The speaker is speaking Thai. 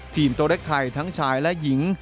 ตัวเล็กไทยทั้งชายและหญิง